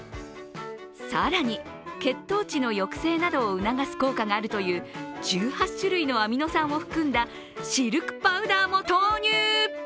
更に血糖値の抑制などを促す効果があるという１８種類のアミノ酸を含んだシルクパウダーも投入。